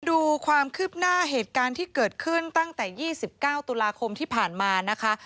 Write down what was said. ดูความคืบหน้าเหตุการณ์ที่เกิดขึ้นตั้งแต่๒๙ตุลาคมที่ผ่านมานะคะ